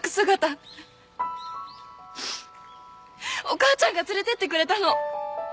お母ちゃんが連れてってくれたの。